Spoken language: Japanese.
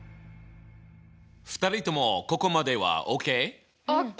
２人ともここまではＯＫ？ＯＫ！